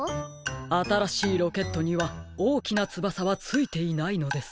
あたらしいロケットにはおおきなつばさはついていないのです。